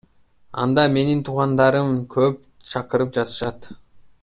Анда менин туугандарым көп, чакырып жатышат.